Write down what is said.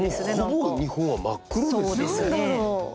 ほぼ日本は真っ黒ですよね。